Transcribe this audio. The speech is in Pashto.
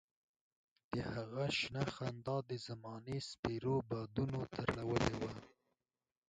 د هغه شنه خندا د زمانې سپېرو بادونو تروړلې وه.